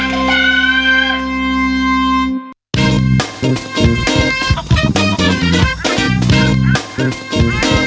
โปรดติดตามตอนต่อไป